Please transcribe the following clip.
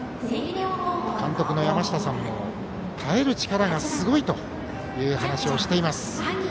監督の山下さんも、耐える力がすごいという話をしています。